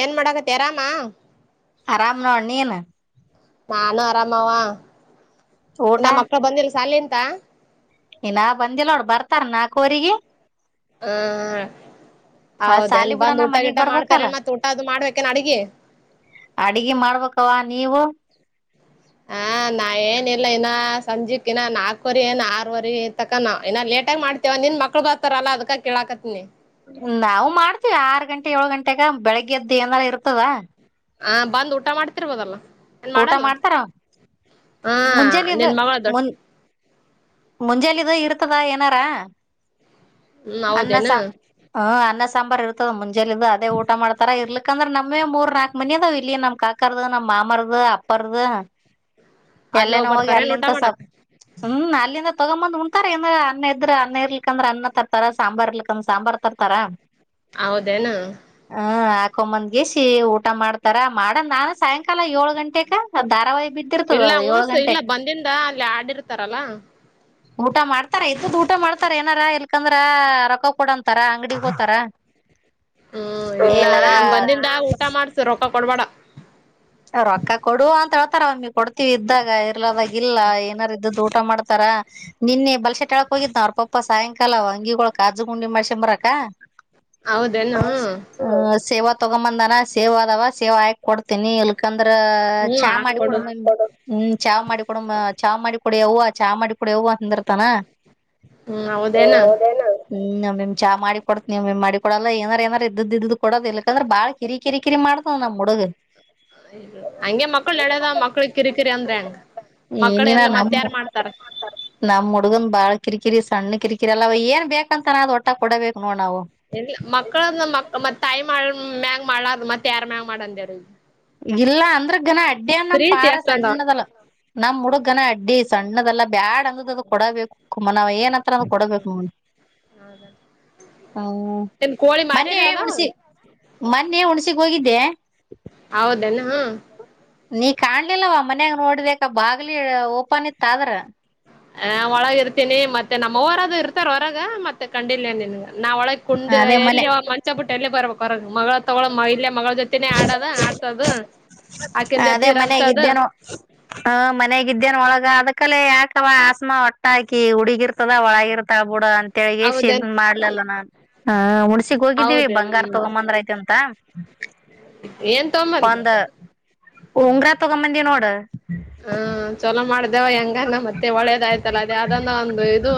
ಏನ್ ಮಾಡಡಕ ತರಾಮಾ ಆರಾಮ ಅಣ್ಣ ನೀನು ನಾನು ಆರಾಮವ ಊಟ ನಮ್ಮ ಮಕ್ಕಳ ಬಂದಿಲ್ಲ ಸಾಲ ಅಂತ ಇ ನ ಬಂದಿಲ್ಲೋಡ್ ಬರ್ತಾರ ನಾಲ್ಕವರಿಗೆ ಆ ಹೌದೇನ್ ಸಾಲಿ ಬಂದ್ ಬಿಡನ ಊಟ ಮನಿಗ್ ಗಿಟ ಬರ್ಬೇಕಲ್ಲ ಮಾಡ್ತಾರೇನ್ ಮತ್ತತ್ ಊಟ ಅದು ಮಾಡ್ಬೇಕೇನ್ ಅಡಗಿ ಅಡಗೆ ಮಾಡ್ಬೇಕವ ನೀವು ಹ ನಾ ಏನ ಇಲ್ಲ ಇನ್ನ ಸಂಜೆಕ್ ಇನ್ನ ನಾಕವರೆರಿ ಏನ್ ಆರವರಿ ತಕ ನ ಇನ್ನ ನ್ ೇಟಾಗ ಮಾಡ್ತೇವ ನಿನ್ ಮಕ್ಳ ಬರ್ತಾರಲ್ಲ ಅದಕ ಕೇಳಾಕತ್ತಿನಿ ನಾವು ಮಾಡ್ತೀವಿ ಆರು ಗಂಟೆ ಏಳ್ ಗಂಟೆಗ ಬೆಳಿಗ್ಗೆ ಎದ್ದು ಏನಲ್ಲ ಇರ್ತದ ಹ ಬಂದ್ ಊಟ ಮಾಡ್ತಿರ್ಬೋದಲ್ಲ ಏನ್ ಊಟ ಮಾಡಲ್ಲ ಮಾಡ್ತಾರ ಹಾ ಮುಂಜಾನೆದು ನಿನ್ ಮಗಳ ದೊಡ್ ಮುನ್ ಮುಂಜಾಲಿದ ಇರ್ತದ ಏನಾರ ಹ್ಮ್ ಅನ್ನಸ ಹೌದೇನು ಹ ಅನ್ನಸ ಸಾಂಬಾರಾರ್ ಇರ್ತದ ಮುಂಜೆಿಂದ ಅದೇ ಊಟ ಮಾಡ್ತಾರ ಇರ್ಲಿಕ್ಕಂದ್ರೆ ನಮ್ಮೇ ಮೂರ್ ನಾಲ್ಕ್ ಮಿ ಅಾವ್ ಇಲ್ಲಿ ನಮ ಕಕರ್ದು ನಮ್ಮ ಮಾಮರದು. ಮಾಮರ್ದ ಅಪ್ಪಾರ್ದು ಅಲ್ಲಿ ಎಲ್ಲನಾ ಹೋಗ್ ಹೋಗಿ ಬರ್ತಾರೇನ್ ಊಟ ಅಲ್ಲಿಂತ ಹ ಮಾಡಾಕ ಅಲ್ಲಿಂದ ತಗೊ್ಂಬಂದ್ ಉಂತಾರ ಏಂದ ಅನ್ನ ಇದ್ರ ಅನ್ನ ಇರ್ಕಂದ್ರೆ ಅನ್ನ ತರ್ತಾರ ಸಾಂಬಾರ್ ಇರ್ಲಕಂದ್ರ ಸಾಂಬಾರಾರ್ ತರ್ತಾರ. ಹೌದೇನ. ಹಕೊಂಬಂದ್ಗೇಸ ಊಟ ಮಾಡ್ತಾರ ಮಾಡ್ ನಾನು ಸಾಯಂಕಾಲ ಏಳು ಗಂಟೆಗ ಧಾರಾವಹಿ ಬಿ ಇಲ್ಲ ಹುಣಸು ಇಲ್ಲ ಬಂದಿಂದ ಅಲ್ಲಿ ಆಡಿರ್ತಾರಲ್ಲ. ಊಟ ಮಾಡ್ತಾರ ಇದ್ದದ್ ಊಟ ಮಾಡ್ತಾರ ಏನಾರ ಇಲ್ಕಂದ್ರ ರೊಕ್ಕ ಕೊಡಂತಾರ ಅಂಗಡಿ ಹತಾರ. ಹ್ಮ್ ಇಲ್ಲ ಬಂದಿಂದಾಗ ಊಟ ಮಾಡ್ಸ ರೊಕ್ಕ ಕೊಡ್ಬೇಡ. ರೊಕ್ಕ ಕೊಡುವ ಅಂತ ಹೇಳ್ತಾರ ಅವಮ್ಮಿ ಕೊಡ್ತಿೀವಿ ಇದ್ದಾಗ ಇರ್ಲದಾಗ ಇಲ್ಲ ಏನಾರ ಇದ್ದು ಊಟ ಮಾಡ್ತ ತಾರಾ ನಿನ್ನೆ ಬಲ್ಸೆಟ್ಾಳಕ್ ಹೋಗಿದ್ ನಾವ ಅವ್ರ ಪಾಪ್ಪ ಸಾಯಂಕಾಲ. ಲ್ಲ ಅಂಗಿಗಳ ಕಾಜು ಗುಂಡಿ ಮಾಡ ಶೆಂಬರಕ ಹೌದೇನು ಸೇವ ತಗೊಂಬಂದನ ಸೇವ ಆದವ ಸೇವ ಆಯಕ ಕೊಡ್ತೀನಿ ಇಲ ಅದ್ರ ಹ್ಮ್ ಚಾ ಮಾಡಿಕ ಕೊಡ ಹಾಕೊಡು ಹ್ಮ್ ಚಾ ಮಾಡಿಕೊಡಮ ಚಾ ಮಾಡಿ. ಕುಡಿ ಅವ ಚಾ ಮಾಡಿ ಕುಡಿ ಅವು ಅಂದಿರ್ತಾನ. ಹ್ಮ ಹೌದೇನಾ. ನಿಮ್ ಚಾ ಮಾಡ ಕೊಡ್ ನೀವು ಮಾಡ ಕೊಡೋಲ್ಲ ಏಾರ ಏಾರ ಇದ್ದ ಇದ ಕ ಕೊಡದ ಇಲ್ಲಕಂದ್ರ ಭಾಳ ಕಿರಿ ಕರಿ ಕಿರಿ ಮಾಡ್ತವ ನಮ್. ಹುಡುಗ. ಹಂಗೆ ಮಕ್ಳು ನಡ್ಯದ ಮಕ್ಳ ಕಿರಿ ಕಿರಿ ಅಂದ್ರೆ ಹಂಗ. ಮಕ್ಕಳು ಏನಿನ ಎರ್ಲ್ಲ ಮತ್ತ ನಮ್ ಯಾರ್ ಮಾಡ್ತಾರ. ನಮ್ ಹುಡ್ಗನ್ ಬಾಳ ಕಿರಿಕಿರಿ ಸಣ್ಣ ಕಿರಿಕಿರಿ ಅಲ್ಲ ಏನ್ ಬೇಕಂತಾನ ಅ್ ಒಟ್ಟ ಕೊಡಬೇಕ. ಎಲ್ಲ ಮಕ್ಕಳ ಮ ಮತ್ ತಾಯಿ ಮಾಡ ಮ್ಯಾಗ ಮಾಡದು ಮತ್ತ ಯಾರ್ ಮ್ಯಾಗ ಮಾಡಂದಾರ. ಇಲ್ಲ ಅಂದ್ರ ಘನ ಅಡ್ಡಿಯ ನಮ್ ಪಾರ ಎಷ್ಟಂದ ಸಣ್ಣದಲ್ಲ ನಮ್ಮ್ ಹುಡುಗ ಗನ ಅಡ್ಡಿ. ಇಡ್ಡಿ ಸಣ್ಣದಲ್ಲಾ ಬ್ಯಾಡ್ ಅಂದ್ ಅದ ಕೊಡಬೇಕು ಕುಮ್ಮ ನಾವ್ ಏನ್ತ್ರ ಅಂದ ಕೊಡಬೇಕುಮ್ಮ. ಹ್ಮ ಏನ್ ಕೋಳಿ ಮೊನ್ನ ಮಾರಿರ ಅದಾವ ಉಣಸಿಸಿ ಮೊನ್ನೆ ಉಣಸ ಹೋಗಿದ್ದೆ. ಹೌದನ ಹ. ನೀ ಕಾಣ್ಲಿಲ್ಲವ ಮನ್ಯಾಗ ನೋಡ್ಬೇಕ ಬಾಗ್ಲಿ ಓಪನ್ ಇತ್ತ ಆದ್ರ. ಹ ಒಳಗ ಇರ್ತೀನಿ ಮತ್ತೆ ನಮ್ಮ ಊರದು ಇರ್ತಾರ ಹೊರಗ ಮತ್ತೆ ಕಂಡಿಲ್ನ್ನ್. ನಾವ್ ಒಳಗ್ ಕುಂಡ ಅದೇ ಮನೆ ಎಲ್ಲಿ ಮಂಚ ಬುಟ್ಟ ಎಲ್ಲ ಬರ್ಬೇಕಕ್ ಹೊರಗೆ ಮಗಳ ತಗೊಳ ಇಲ್ಲ. ಮಗಳ ಜೊತೆನೇ ಆಡದ ಆಡ್ತದ. ಅದೇ ಮನ್ಯಾಗಿದ್ದೇನು ಹ ಮನ್ಗಿದ್ದೇನ್ ಒಳಗ ಅದಕ್ಕ. ಅಕ್ಕಲೆ ಯಾಕವ ಆಸಮಾ ಒಟ್ಟಾಕಿ ಹುಡುಗಿರ್ತದ ಒಳಗ ಇರ್ತ ಬುಡ ಅಂತ. ತೆಳಗಸಿ ಹೌದೇನ್ ಇದನ್ ಮಾಡ್ಲಲ್ಲ ನಾ ಹಾ ಉಣಸಿಗ್ ಹೋಗಿದ್ದೀವಿ ಹೌದೇನ್ ಬಂಗಾರ ತಗೊಂಬಂದ್ರ ಆಯ್ತ ಅಂತ. ಏನ್ ತೊಂಬಂದಿ. ಒಂದ ಉಂಗ್ರ ತಗೊಂಬಂದಿ ನೋಡ. ಹಾ ಚಲೋ ಮಾಡ್ದ. ವ ಹೆಂಗಾನ ಮತ್ತೆ ಒಳ್ಳೇದಾಯ್ತಲ್ಲ ಅದೇ ಅದನ್ನ ಒಂದು ಇದು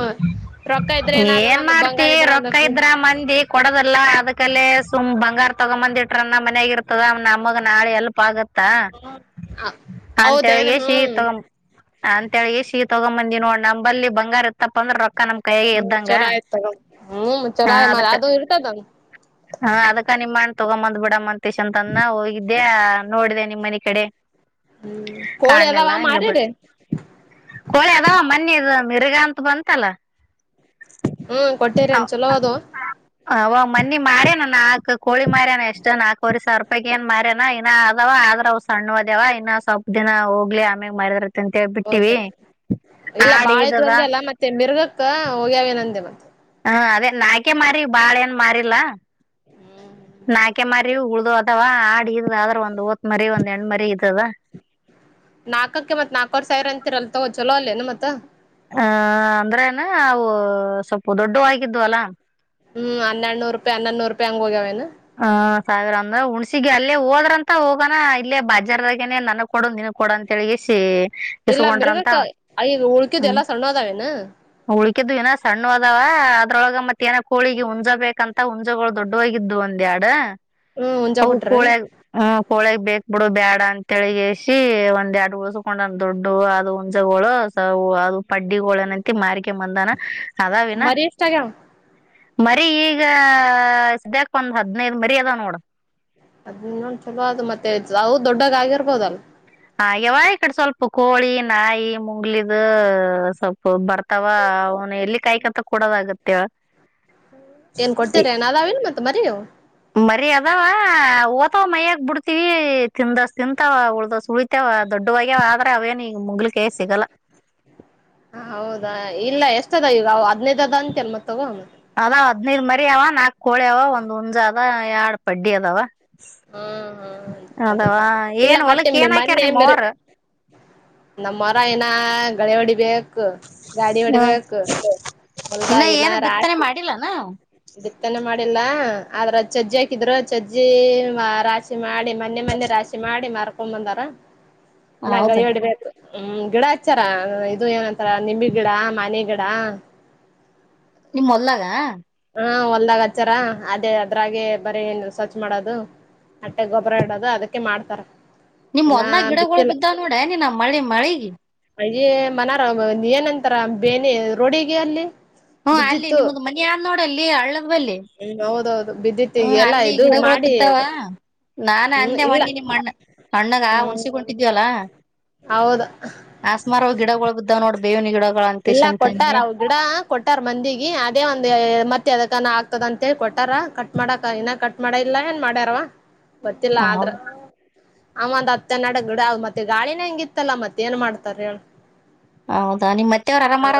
ರೊಕ್ಕ ಇದ್ರೆ ಏನಾಯ್ತದ ಏನ್ ಒಂದು ಮಾಡ್ತಿ ಬಂಗಾರ ಇದ್ರ ಒಂದು ರೊಕ್ಕ ಇದ್ರ ಮಂದಿ ಕೊಡದಲ್ಲ ಅದಕಲ್ಲೇ. ತುಂಬ್ ಬಂಗಾರ ತಗೊಂಬಂದ ಇಟ್ರ ನಮ್ಮ ಮನ್ಯಾಗ ಇರ್ತದ ನಮ್ಮ ನಾಳೆ ಹೆಲ್ಪ್ ದಪ್ಪ ಆಗತ್ತಾ ಅಂತ ಹೌದೇನ್ ಹೇಳಿಗೆಸಿ ಹ್ಮ್ ತಗೊಂಬ ಅಂತ ಹೇಳಗೆಸಿ ತಗೊಂಬಂದಿ ನೋಡ್ ನಂಬಲ್ಲಿ ಬಂಗಾರ. ತಪ್ಪ ಅಂದ್ರ ರೊಕ್ಕ ನಮ್ ಕೈಯಗ್ ಹ್ಮ್ ಇದ್ದಂಗ ಚಲೋ ಆಯ್ತ್ ತಗೋ ಹ್ಮ್ ಹ ಚಲೋ ಅದಕ್. ಅದು ಇರ್ತದ ಹಾ ಅದಕ್ಕ ನಿಮ್ ಅಣ್ ಅಣ್ಣ ತಗೊಂಬಂದ್ ಬಿಡ ಮಂತೇಶ್ ಅಂತ ಹೋಗಿದ್ದೆ ನೋಡಿದೆ ನಿಮ್ ಮನೆ ಕಡೆ. ಹ್ಮ ಕೋಳಿ ಅದಾವ ಕಾಣ್ಲಿಲ್ಲ ಹಂಗ ಬ ಮಾರೀರ್ಯ. ಕೋಳಿ ಅದಾವ ಮನ್ನಿ ಮಿರ್ಗ ಅಂತ ಬಂತಲ್ಲ. ಹ್ಮ್ ಕೊಟ್ಟಿರೇನ್ ಚಲೋ ಅದು ಹ ವ ಮನ್ನಿ ಮರ್ಯಾನ ನಾಲ್ ಕೋಳಿ ಮಾರ್ಯಾನ ಎಷ್ಟ ನಾಕು ವರಿ ಸಾವರ ರೂಪಾಯಿ ಏನ ಮರ್ಯಾನಾ. ಇ ಅದ ಆದ್ರ ಅವ್ ಸಣ್ಣ ಅದ್ಯಾವ ಇನ್ನ ಸ್ವಲ್ಪ ದಿನ ಹೋಗ್ಲಿ ಆಮ್ಯಾಗ ಮಾರಿದರಆಯ್ತು ಅಂತ ಹೇಳಿ. ಹೌದೇನ್ರೀ, ಇಲ್ಲ, ಬಾಳಿದ್ದು! ಈದದ ಒಂದೇ, ಅಲ್ಲ ಮತ್ತೆ ಮೀರುಗಕ್ಕ, ಹೋಗ್ಯವೇ, ನಂದೆ ಮತ್ತೆ? [inaudible] ಹ, ಅದೇ ನಾಕೆ, ಮಾರಿ, ಬಾಳೆ ಏನು, ಮರಿಲಾ. [unintelligible] ನಾಕೆ ಮಾರಿವು, ಉಳ್ದುವ, ಅದವಾ ಆಡ ಇದದ ಆದ್ರ ಒಂದ್ ಹೋತ್, ಮರಿ ಒಂದ್ ಹೆಣ್ ಮರಿ ಇದದ. [inaudible] ನಾಕಕ್ಕೆ, ಮತ್ತ್ ನಾಕುವರೆ, ಸಾವಿರ ಅಂತಿರಲ ತಗೋ, ಚಲೋ ಅಲ್ಲೇನು ಮತ್ತೆ? [inaudible] ಹ, ಅಂದ್ರೇನ! ಅವು ಸ್ವಲ್ಪ ದೊಡ್ದುವ್ ಆಗಿದ್ವಲ್ಲಾ? [inaudible] ಹ್ಮ, ಹನ್ನಡ್ನೂ, ರೂಪಾಯಿ ಹನ್ನೂರು ರೂಪಯಿ ಹೋಗ್ಯವನ. [inaudible] ಹ, ಸಾವಿರ ಅಂದ ಹುಣ್ಸಿಗೆ! ಅಲ್ಲೇ ಹೋದ್ರಂತ ಹೋಗನ, ಇಲ್ಲೇ ಬಾಜಾರದಾಗನನೆ, ನನಗ್ ಕೊಡು, ನಿನ್ಗು. [inaudible] ಕೊಡ, ಅಂತ ಹೇಳಿ, ಇಸ್ಸೀ. [inaudible] ಇಲ್ಲ ಇಸ್ಕೊಂಡ್ರಂತ, ಮಿರ್ಗಕ್ಕ ಈಗ ಉಳ್ಕಿದ್ ಹ್ಮ, ಎಲ್ಲಾ ಸಣ್ಣ ಅದಾವೇನ ಉಳ್ಕಿದ್ದು ಏನ? [inaudible] ಸಣ್ಣವ, ಅದಾವ ಅದ್ರೊಳಗೆ! ಮತ್ತ ಏನ ಕೋಳಿಗೆ, ಹುಂಜ ಬೇಕಂತ ಹುಂಜಗಳು ದೊಡ್ಡವಾಗಿದ್ದು? [inaudible] ಒಂದುಯೆರಡು, ಹ್ಮ್ ಹುಂಜಾ ಅವು ಕೊಟ್ರೇನ್ ಕೋಳಿಯಾಗು? [inaudible] ಹೊಳೆಗ್, ಬೇಕ್, ಬಿಡು, ಬ್ಯಾಡ ಅಂತ! ಹೇಳಗೆಸಿ ಒಂದ್ಯಾಡು ಉಳಿಸಿಗೊಂಡನ ದೊಡ್ದುವ್, ಅದು ಹುಂಜಾಗೋಳು? [inaudible] ಅವು, ಅದು ಪಡ್ಡಿಗಳನಂತ! ಮಾರುಕೋ, ಬಂದಾನ ಅದಾವಿನ? ಮರಿ ಎಷ್ಟ ಆಗ್ಯಾವ [inaudible] ಮರಿ, ಈಗ ಸದ್ಯಕ್! ಒಂದು, ಹದ್ನೈದ ಮರಿ ಅದಾವ, ನೋಡು. [inaudible] ಅಧ್ಯೇನುತೇನುಚಾಲೋ, ಅದು, ಮತ್ತೆ, ದೊಡ್ಡಗ, ಹಗಿಬೋಹುಧ್ಯಾಲ? [inaudible] ಆಗ್ಯಾವ, ಈ ಕಡೆ ಸ್ವಲ್ಪ ಕೋಳಿ ನಾಯಿ ಮುಂಗ್ಲಿದು, ಸ್ವಲ್ಪ ಬರ್ತಾವ? [inaudible] ಅವನು, ಎಲ್ಲಿ, ಕಾಯತೋಕ, ಕೊಡಲಾಗುತ್ತೆ? [inaudible] ಏನ್, ಕೊಟ್ಟಿರಿ, ಏನ್ ಅದಾವ ಏನ ಇಲ್ ಮತ್ತ ಮರಿ ನೀವು? [inaudible] ಮರಿ, ಅದಾವ ಓತವ! ಮೈಯಕ್ ಬಿಡ್ತಿವಿ ತಿಂದಸ್, ತಿಂತಾವ ಉಳ್ದಸ್ ಉಳಿತಾವ ಅದು? [inaudible] ದೊಡ್ದುವ, ಆಗ್ಯಾವ ಆದ್ರ! ಅವೇನು ಈಗ ಮುಂಗಾಳಿ ಕೈಯಾಗ್ ಸಿಗಲ್ಲ? [inaudible] ಹ, ಹೌದಾ, ಇಲ್ಲ ಎಸ್ಟು, ಅದವ ಈವಗ ಹದ್ನೈದು, ಅದವ ಅಂತೆಲ್ ಮತ್ತ ತಗೊ? [inaudible] ಅದೇ, ಹದ್ನೈದ್, ಮರಿ, ಅವ ನಾಕ್ ಕೋಳಿ ಅವ, ಒಂದ್ ಹುಂಜ! ಅದ, ಎರಡ್ ಪಡ್ಡಿ, ಅದಾವ? [inaudible] ಹಾ, ಹಾ, ಅದವ ಇಲ್ಲ! ಏನ್ ಮತ್ತೆ, ಹೊಲಕ್ ಏನ್ ಹಾಕ್ಯಾರ ಮೊನ್ನೆ, ನಿಮ್ ಮಿರ. ಅವ್ವಾರ [inaudible] ನಮ್ಮ, ಮರ, ಏನ ಗಣಗಡಿಗೆ. [inaudible] ಕೂ, ಗಾಡಿ, ವಡಿ ಬೇಕ್! ಇನ್ನ ಹೊಲದಾಗ ಏನು ಬಿತ್ತನೆ ಏನರಾಕು. [inaudible] ಮಾಡಿಲ್ಲನ ಬಿತ್ತನೆ, ಮಾಡಿಲ್ಲ! ಆದ್ರ ಚಜ್ಜಿ ಹಾಕಿದ್ರು ಚಜ್ಜಿ ರಾಚಿ ಮಾಡಿ. [inaudible] ಮನ್ನೆ, ಮನ್ನೆ ರಾಶಿ ಮಾಡಿ ಮಾರುಕಂಡು, ಬಂದಾರ! ಇನ್ನ, ಹೌದ ಕೈ ವಾಡಬೇಕು. [inaudible] ಗಿಡ, ಹಚ್ಚಾರ ಇದು ಏನಂತಾರ! ನಿಂಬೆ ಗಿಡ ಮಾನಿ ಗಿಡ? [inaudible] ನಿಮ್ಮ, ಹೊಲದಾಗ? [inaudible] ಹಾ, ಹೊಲ್ದಾಗ ಹಚ್ಚಾರ! ಅದೇ ಅದ್ರಾಗೆ ಬರೀ ಏನು, ಸ್ವಚ್ ಮಾಡೋದು? [inaudible] ಅಟ್ಟೆ, ಗೊಬ್ಬರ ಇಡೋದು ಅದಕ್ಕೆ ಮಾಡ್ತಾರ? [inaudible] ನಿಮ್, ಇನ್ನ ಹೊಲ್ದಾಗ ಗಿಡಗೋಳ ಬಿತ್ತಿಲ್ಲ ಬಿದ್ದಾವ! ನೋಡು, ನೀನ ಮಳಿ ಮಳಿಗಿ. [inaudible] ಅಯೇ, ಮನಾರ, ಏನಂತಾರ? ಬೇನೆ ರೋಡಿಗೆ ಅಲ್ಲಿ! [inaudible] ಹಾ, ಅಲ್ಲಿ ಬಿದ್ದಿತ್ತು ನಿಮ್ಮ್ದ, ಮನಿ, ಅದೇ, ನೋಡಲ್ಲಿ ಹಳ್ಳದ್ ಬಲ್ಲಿ. ಹ್ಮ್ ಹೌದೌದು [inaudible] ಹ್ಮ, ಬಿದ್ದಿತ್ತಿಗೆ ಎಲ್ಲಾ ಅಲ್ಲಿ ಇದು ಗಿಡಗಳು ಮಾಡಿ ಬಿದ್ದಾವ? [inaudible] ನಾನ್, ಹ್ಮ್ ಅಂದೆ ಇಲ್ಲ ಮಂದಿ! ನಿಮ್ಮ್ ಅಣ್ಣಗ ಹ್ಮ್ ಉಣಸಿಗೆ, ಹೊಂಟೀದ್ದಿವಿ ಅಲ್ಲ. ಹೌದು [inaudible] ಆಸ್ಮಾರ್, ಗಿಡಗೋಳ್, ಬಿದ್ದಾವ ನೋಡ್, ಬೇವಿನ, ಗಿಡ. [inaudible] ಇಲ್ಲ, ಕೊಟ್ಟಾರ ಅವು, ಗಿಡ. [inaudible] ಕೊಟ್ಟಾರ, ಮಂದಿಗೆ ಅದೇ! ವಂದು, ಮತ್ತೆ ಎದಕನಾ, ಆಗ್ತದ ಅಂತ ಹೇಳಿ! ಕೊಟ್ಟಾರ ಕಟ್ ಮಾಡಕ್ ಇನ್ನ ಕಟ್ ಮಾಡ ಇಲ್ಲ. [inaudible] ಎಲ್ಲ, ಏನ್ ಮಾಡ್ಯಾರವಾ! ಗೊತ್ತಿಲ್ಲ ಆದ್ರ. ಹೌದ [inaudible] ಹಾಂಗ್ಯಂಥ, ಹತುನಾಡು, ಗಿಡ, ಮತ್ತೆ ಗಾಳಿನ ಹೆಂಗ ಇತ್ತಲ್ಲಾ ಮತ್ತತ್ ಏನ್ ಮಾಡ್ತಾರೆ, ಹೇಳು? [inaudible] ಹೌದಾ, ನಿಮ್ಮತ್ತೆ? [inaudible] ಹಾ,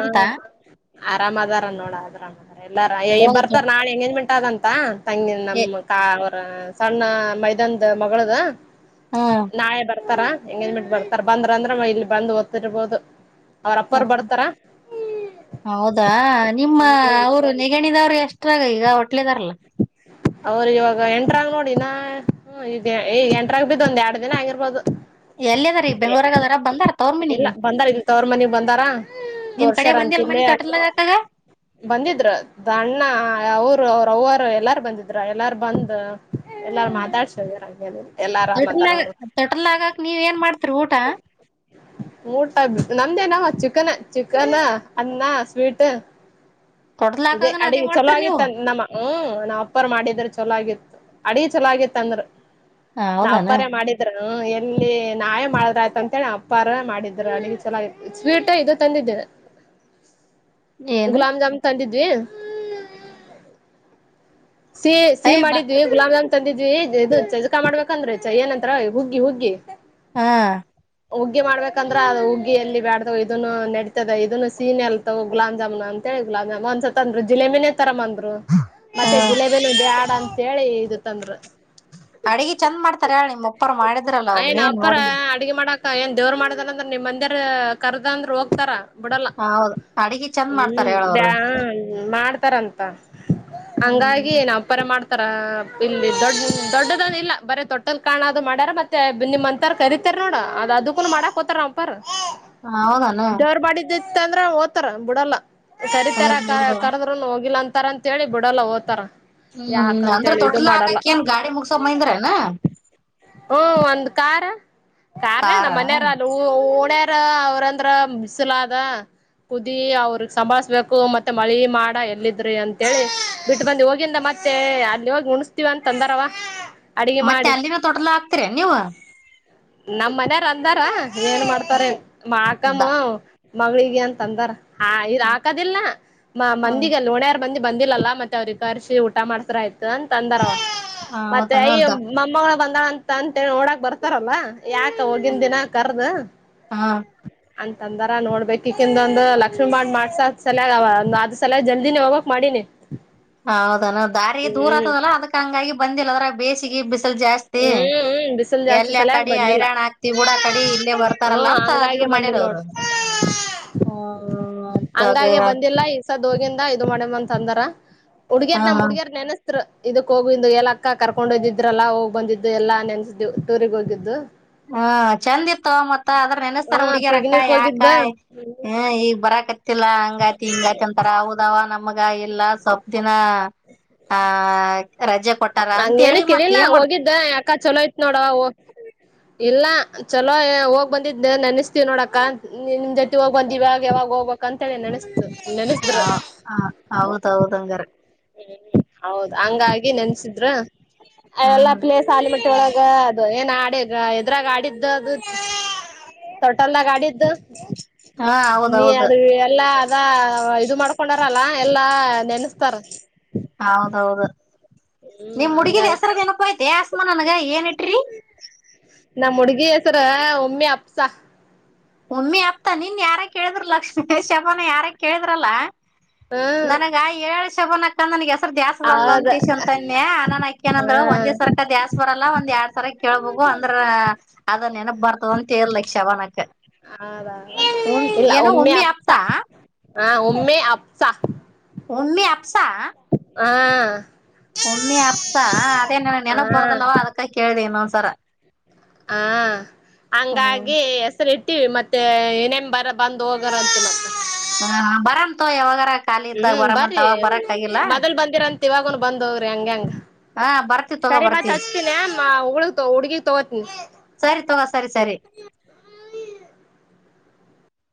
ಆರಾಮ್ ಅದಾರ ನೋಡು. ಅರಾಮದ ಎಲ್ಲಾರ, ಬರುತ್ತಾರೆ, ನಾಳೆ, ಎಂಗೇಜ್ಮೆಂಟ್ ಆದ. [inaudible] ಅದೆಂತಾ, ತಂಗಿ, ನಮ ಕಾ, ಅವ್ರ ಸಣ್ಣ ಮೈದಾನದು, ಮಗಳದು. [unintelligible] ಹೂ. [inaudible] ಬರ್ತಾರ, ಎಂಗೇಜ್ಮೆಂಟ್ ಬರ್ತಾರ! ಬಂದ್ರ ಅಂದ್ರೆ, ಇಲ್ಲಿ ಬಂದು ಓದತ್ತಿರ್ಬೋದು, ಅವ್ರ ಅಪ್ಪರು, ಬರುತ್ತಾ. [inaudible] ಹೌದಾ, ನಿಮ್ಮ, ಹ್ಮ್ ಅವರು ನೆಗಣಿದವರು. [inaudible] ಇಷ್ಟರ, ಈಗ, ಒಟ್ಲದಾರಲ್ಲ? [inaudible] ಅವ್ರ, ಇವಾಗ ಎಂಟ್ರಾಗ, ನೋಡು, ಇನ್ನ, ಈಗ ಎಂಟರಾಗ, ಬಿದ್ದ ಒಂದು ಎರಡ್ ದಿನ ಆಗಿರ್ಬೋದು? [inaudible] ಎಲ್ಲಿದ್ದಾರೆ, ಬೆಂಗಳೂರಾಗ, ಅದಾರ, ಬಂದಾರ? [inaudible] ಇಲ್ಲ ಬಂದಾರ ಇಲ್ಲ ತವರು ಮನಗ್ ಬಂದಾರ ನಿನ್ ಕಡೆ ತೋರ್ಸ್ಯಾರ ಅಂತ ಬಂದಿಲ್ ಇಲ್ಲೇ ಮನಿ ತೊಟಲ್ದಾಗ ಹಾಕಾಗ ಬಂದಿದ್ರು ದ ಅಣ್ಣ ಅವ್ರು ಅವ್ರ ಅವ್ವರು ಎಲ್ಲಾರು ಬಂದಿದ್ರ ಎಲ್ಲಾರು ಬಂದ್ ಎಲ್ಲಾರು ಮಾತಾಡ್ಸಾರಂಗ ಎಲ್ಲಾರ ಮಾತಾರ ತೊಟಲ್ದಾಗ ಅವರು ತೊಟಲ್ ಹಾಕಕ್ ನೀವ್ ಏನ್ ಮಾಡ್ತಿರಿ ಊಟ ಊಟ ನಮ್ದೇನಾವ ಚಿಕನ್ ಚಿಕನ್ ಅನ್ನ ಸ್ವೀಟ್ ತೊಟಲ್ ಇದೇ ಹಾಕಾಗನ ಅದೇ ಅಡಿಗೆ ಚಲೋ ಮಾಡ್ತಿರಿ ನೀವು ಆಗಿತ್ತ ನಮ್ಮ ಹಹೂ ನಾವ್ ಅಪ್ಪಾರ ಮಾಡಿದ್ರ ಚಲಾಗಿತ್ತು ಅಡಿ ಚಲಾಗಿತ್ತ ಅಂದ್ರ ಹ ನಾ ಹೌದಾನ ಅಪ್ಪರ ಮಾಡಿದ್ರ ಹೂ ಎಲ್ಲಿ ನಾವೇ ಮಾಡುದ ಆಯ್ತು ಅಂತೇಳಪ್ಪ ಪರ ಮಾಡಿದ್ರ ಅಲ್ಲಿಗೆ ಚಲಾಗಿ ಸ್ವೀಟ ಇದು ತಂದಿದ್ದೇ ಏನು ಗುಲಾಮ್ ಜಾಮನ್ ತಂದಿದ್ವಿ ಸಿಹಿ ಏ ಸಿಹಿ ಬಾ ಮಾಡಿದ್ವಿ ಗುಲಾಮ್ ಜಾಮ್ ತಂದಿದ್ವಿ ಇದು ಚಜಕಾ ಮಾಡ್ಬೇಕಂದ್ರೆ ಜಯನ್ನತ್ರ ಹುಗ್ಗಿ ಹುಗ್ಗಿ ಹಾ ಹುಗ್ಗಿ ಮಾಡಬೇಕಂದ್ರೆ ಅದು ಹುಗ್ಗಿಎಲ್ಲಿ ಬ್ಯಾಡ್ದವು ಇದನ್ನು ನಡತದೆ ಇದನು ಸೀನ್ ಎಲ್ತವು ಗುಲಾಬ್ ಜಾಮುನ್ ಅಂತ ಲ ಒಂದ್ಸ ಅಂದ್ರು ಜಿಲೇಬಿನೇ ತರ ಅಂದ್ರು ಹಾ ಮತ್ತೆ ಜಿಲೇಬಿನು ಬ್ಯಾಡ ಅಂತೇಳಿ ಇದು ತಂದ್ರು ಅಡಿಗೆ ಚಂದ್ ಮಾಡ್ತಾರ ಹೇಳ ನಿಮ್ಮ ಒಪ್ಪರ್ ಮಾಡಿದ್ರಲ್ಲ ಅವ ಏನ್ ಅಪ್ಪಾರ ನೋಡಿನಿ ಅಡ್ಗಿ ಮಾಡಾಕ ಏನ್ ದೇವ್ರ ಮಾಡದಲ್ಲ ಅಂದ್ರೆ ನಿಮ್ಮ ಮಂದಿರ ಕರ್ದ ಅಂದ್ರ ಹೋಗ್ತಾರ ಬಿಡಲ್ಲ ಹೌದ್ ಅಡಗಿ ಚಂದ್ ಹೂ ಮಾಡ್ತಾರ ಹೇಳ ಅವ್ರು ಬ್ಯಾ ಮಾಡ್ತಾರಂತ ಹ ಏನ್ ನಮ್ಮ ಅಪಾರ ಮಾಡುತ್ತಾರೆ ಇಲ್ಲಿ ದೊಡ್ ದೊಡ್ಡದ ಇಲ್ಲ ಬರ ದೊಟ್ಟಲ್ ಕಾಣದು ಮಾಡ್ಯಾರ ಮತ್ತೆ ನಿಮ್ಂತ ಕರಿತ ನೋಡ ಅದ ಅದ್ಕ್ಕೂ ಮಾಡಾಕ್ಕತಾರ ನ ಅಪ್ಪರೂ ಹ ಹೌದಾನ ಅಂದ್ರ ಒಟರ ಬಿಡಲ್ಲ ಕರಿತರ ಇರ್ಲಿ ಹೋಗಿಲ್ಲ ಬಿಡು ಕರುದ್ರುನು ಹೋಗಿಲ್ಲ ಅಂತ ಹತಾರ ಅಂತ ಹೇಳಿ ಬಿಡಲ್ಲ ಹೋಗ್ತಾರ ಹ್ಮ್ ಅಂದ್ರ ಯಾಕಂತೇಳಿ ಇದು ತೊಟ್ಲ ಮಾಡಲ್ಲ ಹಾಕಕ್ ಏನ್ ಗಾಡಿ ಮುಗಸೋ ಬಂದಿರೇನ ಹೂ ಒಂದು ಕಾರ್ ಕಾರ್ಣ್ಣ ಕಾರಾ ಮನೆಯಾರ ಹೊಣೆ ಅವ್ರಂದ್ರ ಬಿಸಿಲಾದ ಕುದಿ ಅವ್ರ ಸಂಭಾಸ್ಬೇಕು ಮತ್ತೆ ಮಳಿ ಮಾಡ ಎಲ್ಲಿದ್ರಿ ಅಂತೇಳಿ ಬಿಟ್ಟ ಬಂದ ಹೋಗಿ ಈಗಿಂದ ಮತ್ತೆ ಅಲ್ಲಿ ಇವಾಗ ಮುಣಿಸಸ್ತೀವ ಅಂತ ಅಂದಾರವ ಅಡುಗೆ ಮತ್ತೆ ಮಾಡಿ ಅಲ್ಲಿನ ತೊಟ್ಲ ಹಾಕ್ತಿರಿ ನೀವು ನಮ್ಮನೆಗೆ ಅಂದಾರ ಏನ್ ಮಾಡ್ತಾರ ಮಾ ದ ಅಕಮ್ಮ ಮಗಳಿಗೆ ಅಂತ ಅಂದಾರ ಹಾ ಇ್ ಹಾಕದಿಲ್ಲ ಮ ಮಂದಿಿಗೆ ಅಲ್ಲ ಓಣೆಯಾರ್ ಮಂದಿ ಬಂದಿಲ್ಲಲ್ಲಾ ಮತ್ತೆ ಅವ್ರಿಗೆ ಕರ್ಸಿ ಊಟ ಮಾಡ್ತಾರ ಆಯ್ತು ಅಂತ ಅಂದಾರ ಮತ್ತೆ ಅಯ ಹೌದನದ ಮೊಮ್ಮಗಳು ಬಂದ ಲ್ಲಾ ಅಂತ ಅಂತೇಳಿ ನೋಡಕಾಂತಾ ಬರ್ತಾರಲ್ಲ ಯಾಕ ಹೋಗಿನ ದಿನ ಕರ್ದು ಹ ಅಂತಂದಾರ ನೋಡ್ಬೇಕಕಿಂದ ಒಂದು ಲಕ್ಷ್ಮಿ ಮಾಡ್ ಮಾಡ್ಸ ಅ್ ಸಲಯ ಅ ಆದ್ ಸಲ ಜಲ್ದಿನ ಹೋಗಕ್ ಮಾಡೀಿನಿ ಹೌದಾನ ದಾರಿಿಗೆ ದೂರ ಆತದಲ್ಲಾ ಅದಕ್ಕ ಹಂಗಾಗಿ ಬಂದಿಲ್ಲ ಅದ್ರ ಬೇಸಿಗೆ ಬಿಸಿಲು ಜಾಸ್ತಿ ಹ್ಮ್ ಹ್ಮ್ ಬಿಸಿಲು ಜಾಸ್ತಿ ಎಲ್ಲ ಸಲಯಾಗ ಕಡೆ ಬಂದಿಲ್ಲ ಹಐರಾಣ್ ಹಾಕ್ತಿವಿ ಕೂಡ ಕಡೆ ಇಲ್ಲೇ ಹ್ಮ ಬರ್ತಾರಲ್ಲ ಅಂತ ಅ ಹಂಗಾಗೆ ಬಂದಿಲ್ಲ ನೋಡ್ ಹ್ಮ ತಗ ಹಂಗಾಗೆ ಬಂದಿಲ್ಲ ಈಸದ ಹೋಗಿಂದ ಇದು ಮಾಡಂತ ಅಂದರ ಹ ಹುಡುಗರ್ ನಮ್ ಹ ಹುಡುಗರ್ ನೆನೆಸ್ರು ಇದಕ್ ಹೋಗಿಂದು ಎಲ್ಲ ಅಕ್ಕ ಕರ್ಕೊಂಡದಿದ್ರಲ್ಲಾ ಹೋಗ ಬಂದಿದ್ದು ಎಲ್ಲಾ ನೆನ್ಸಿದ್ದ ಟೂರಿಗೆ ಹೋಗಿದ್ದು ಹೂ ಚಂದ ಇತ್ತು ಮತ್ತ ಅದ್ರ ನೆನೆಸ್ತಾರ ಹಾ ಹುಡ್ಗಿರಕ್ಕಿ ಪಿಗ್ನಿಕ್ ಹೋಗಿದ್ದ ಯಾಕಾಯ ಹ ಈಗಗ್ ಬರಕತ್ತಲ್ಲಾ ಹಂಗಾತಿ ಹಿಂಗತಿ ಅಂತಾರ ಹೌದವ್ವ ನಮಗ ಇಲ್ಲ ಸ್ವಪ್ಪ ದಿನ ಆ ರಜೆ ಕೊಟ್ಟಾರ ಹಂಗ ಏನು ಅಂತೇಳಿ ಮತ್ ಕೇಳಿಲ್ಲ ಏನ್ ಮಾಡ್ತ ಹೋಗಿದ್ದ ಯಾಕ ಚಲೋ ಇತ್ ನೋಡವ್ವ ಇಲ್ಲ ಚಲೋ ಹೋಗ್ ಬಂದಿದ್ದ ನೆಸ್ತೀವ ನೋಡಕ್ಕ ನಿಮ್ ಜೊತೆ ಹೋಗ್ ಬಂದಾಗ ಯಾವಾಗ ಹೋಗ್ಬ ಕಂತಳೆ ನಡೆಸ್ತು ಹಾ ಹ ಹೌದೌದ್ ಹಂಗಾರೆ ಹೂ ಹೌದ ಹಂಗಾಗಿ ನೆನ್ಸಿದ್ರಲ್ಲಾ ಹ್ಮ್ ಪ್ಲೇಸ್ ಆಲಮಟ್ಟಿ ಒಳಗ ಹ ಅದು ಏನ್ ಆಡಿಗ ಎದ್ರಾಗ ಆಡಿದ್ದು ಅದು [inaudible] ತೊಟಲ್ಲಾಗ ಆಡಿದ್ದು ಹ ನೀ ಹೌದೌದು ಅದು ಎಲ್ಲ ಅದ ಇದು ಮಾಡ್ಕೊಂಡಾರಲ್ಲ ಎಲ್ಲಾ ನೆನಸ್ತಾರ ಹೌದೌದು ಹ್ಮ್ ನಿಮ್ ಹುಡುಗಿದ್ ಹಂಗಾಗಿ ಹೆಸರು ನೆನಪುಯ್ತಿ ಆಸ್ಮಾ ನನ್ಗ ಏನ್ ಇ ನಮ್ಮ ಹುಡ್ಗಿ ಹೆಸರ ಉಮ್ಮೆ ಅಫ್ಸ. ಉಮ್ಮೆ ಅಫ್ತ ನಿನ್ ಯಾರ ಕೇಳಿದ್ರು ಲಕ್ಷ್ಮೀ ಶಬಾನ ಯಾರೊ ಕೇಳಿದ್ರಲ್ಲ. ಹ್ಮ್ ನನಗಾ ಏಳ್ ಶಬನಕ್ಕ ನನಗೆ ದ್ಯಾಸ್ ಬರಲ್ಲ ಹೌದ ಅಂತೇಶ ಅಂತೆ ಆ ನಾನನ್ ಅಕೇನಂದ್ ಹ್ಮ್ ಒಂದೇ ಸರಕ ದ್ಯಾಸ್ ಬರಲ್ಲಂದ ಎರಡ್ ಸರಕ್ ಕೇಳ್ಬೇಕು. ಅಂದ್ರ ಅದನ್ ನೆನಪ ಬರ್ತದಂತೇರ್ಲಿ ಶಬನಕ್ ಹದ ಇಲ್ಲ ಉಮ್ಮೆ ಉಮ್ಮಿ ಅಫ್ಸ ಆಪ್ತ ಹ ಉಮ್ಮೆ ಅಫ್ಸ. ಒಮ್ಮಿ ಅಪ್ಸಾ ಹಾ ಉಮ್ಮೆ ಅಪ್ಸ ಅದೇ ನನಗ್ ಹಾ ನೆನಪ್ ಬರೊದಿಲ್ಲವ ಅದಕ್ಕ ಕೇಳ್ದೆ ಇನ್ನೊಂದ್ಸರ. ಹ ಹ್ಮ್ ಹಂಗಾಗಿ ಹೆಸರಿಟ್ಟ್ ಟ್ಟಿ ಮತ್ತೆ ಇನೇನ್ ಬರ ಬಂದ್ ಹೋಗರಂತೆ ಮತ್ತೆ ಹ ಬರಂತೋಗ್ ಯಾವಾಗರ. ಹ್ಮ್ ಬರ್ರಿ ಮೊದಲ್ ಬಂದಿರಂತ ಇವಾಗನು ಬಂದೋಗ್ರಿ ಹಂಗಂಗ ಹ ಬರ್ತಿವಿ ತಗೋ ಸರಿ ಮತ್ ಬರ್ತಿವಿ ಹಚ್ತೀನಿ ಹುಳ್ ಹುಡ್ಗಿಗ್ ತಗೋತೀನಿ. ಸರಿ ತೊಗೊ ಸರಿ ಸರಿ.